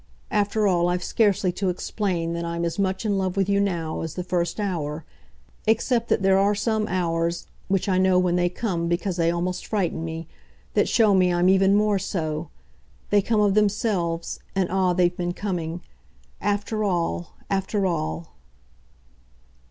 After all, I've scarcely to explain that I'm as much in love with you now as the first hour; except that there are some hours which I know when they come, because they almost frighten me that show me I'm even more so. They come of themselves and, ah, they've been coming! After all, after all